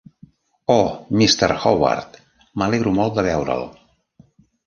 Oh Mr. Howard, m'alegro molt de veure'l!